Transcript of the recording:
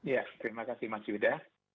ya terima kasih mas yuda